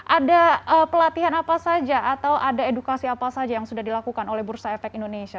ada pelatihan apa saja atau ada edukasi apa saja yang sudah dilakukan oleh bursa efek indonesia